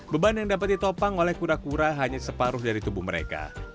beban yang dapat ditopang oleh kura kura hanya separuh dari tubuh mereka